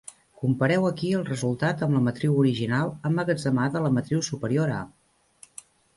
Compareu aquí el resultat amb la matriu original emmagatzemada a la matriu superior A.